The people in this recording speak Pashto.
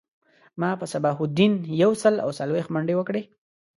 ما په صباح الدین یو سل او څلویښت منډی وکړی